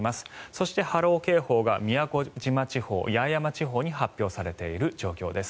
そして、波浪警報が宮古島地方、八重山地方に発表されている状況です。